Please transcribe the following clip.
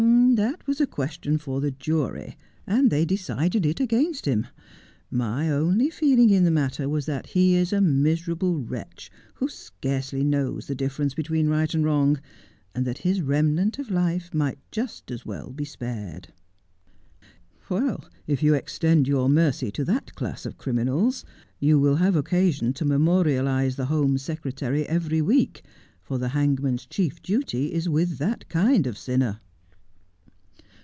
' That was a question for the jury, and they decided it against him. My only feeling in the matter was that he is a miserable wretch, who scarcely knows the difference between right and wrong, and that his remnant of life might just as well be spared.' ' If you extend your mercy to that class of criminals, you will have occasion to memorialize the Home Secretary every week, for the hangman's chief duty is with that kind of sinner.'